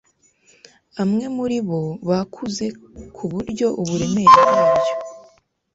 amwe muribo bakuze kuburyo uburemere bwabyo